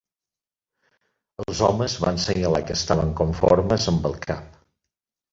Els homes van senyalar que estaven conformes amb el cap